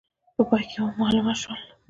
په پای کې معلومه شول.